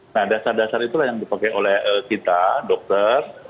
nah dasar dasar itulah yang dipakai oleh kita dokter